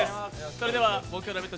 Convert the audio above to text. それでは木曜「ラヴィット！」